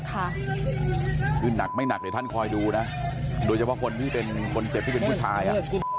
คือหนักไม่หนักเดี๋ยวท่านคอยดูนะโดยเฉพาะคนที่เป็นคนเจ็บที่เป็นผู้ชายอ่ะ